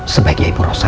sebaiknya ibu rosa